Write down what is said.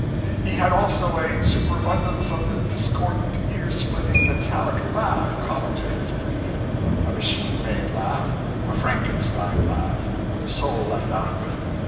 He had also a superabundance of the discordant, ear splitting, metallic laugh common to his breed a machine made laugh, a Frankenstein laugh, with the soul left out of it.